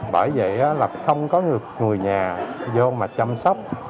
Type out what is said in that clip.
bởi vậy là không có được người nhà vô mà chăm sóc